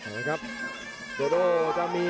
โอ้โหไม่พลาดกับธนาคมโด้แดงเขาสร้างแบบนี้